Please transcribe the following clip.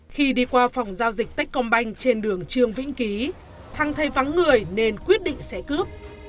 khi đi qua phòng giao dịch techcombank trên đường trường vĩnh ký thắng thấy vắng người nên quyết định sẽ cướp